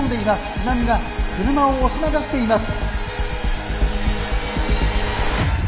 津波が車を押し流しています」。